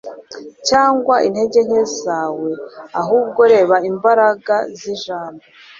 cyangwa intege nke zawe, ahubwo reba imbaraga y'ijambo